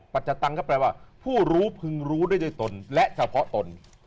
ปัจจุบันก็แปลว่าผู้รู้พึงรู้ด้วยได้ตนและเฉพาะตน